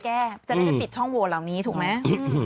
จะได้ไปปิดช่องโหวตเหล่านี้ถูกไหม